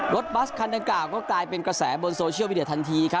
รถบัสออีกฝั่งกระแสบนกระแสบนสโชคที